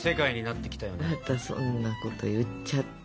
またそんなこと言っちゃって。